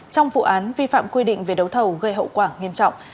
trong vụ án vi phạm quy định về đấu thầu gây hậu quả nghiêm trọng